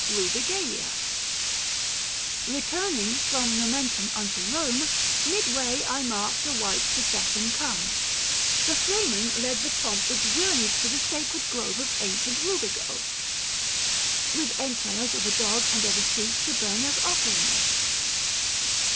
RUBIGALIA. Eeturning from Nomentum unto Kome, Midway I marked a white procession come. The Flamen led the pomp which journeyed to 1055 The sacred grove of ancient Kubigo — With entrails of a dog and of a sheep To burn as offerings.